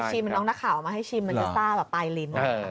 เคยชิมน้องหน้าข่าวมาให้ชิมมันจะซ่าแบบปลายลิ้น